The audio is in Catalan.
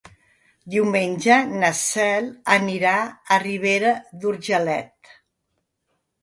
Diumenge na Cel anirà a Ribera d'Urgellet.